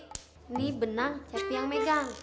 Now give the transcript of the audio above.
ini benang happy yang megang